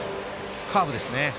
カーブですね。